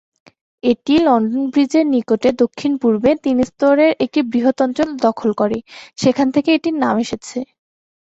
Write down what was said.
এটি লন্ডন ব্রিজের নিকটে দক্ষিণ-পূর্বে তিন স্তরের একটি বৃহত অঞ্চল দখল করে, সেখান থেকে এটির নামটি এসেছে।